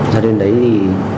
ra đến đấy thì